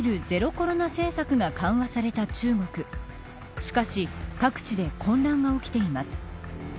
しかし各地で混乱が起きています。